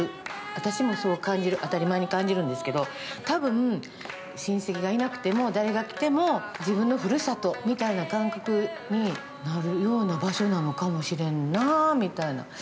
私もそう当たり前に感じるんですけど多分、親戚がいなくても誰が来ても、自分のふるさとみたいな感覚になるような場所なのかもしれんなあみたいな。